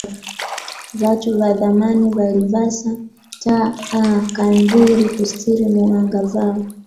Vachu va dhamani valivasa taa a kandhili kusitiri muanga vao